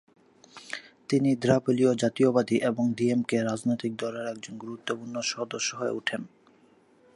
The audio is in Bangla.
তিনি দ্রাবিড়ীয় জাতীয়তাবাদী এবং ডিএমকে রাজনৈতিক দলের একজন গুরুত্বপূর্ণ সদস্য হয়ে ওঠেন।